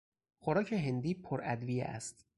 خوراک هندی پر ادویه است.